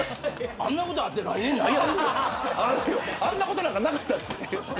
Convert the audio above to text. あんなことなんてなかったし。